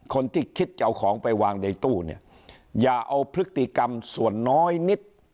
คิดจะเอาของไปวางในตู้เนี่ยอย่าเอาพฤติกรรมส่วนน้อยนิด